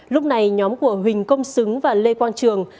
lúc này nhóm của huỳnh công xứng và lê quang trường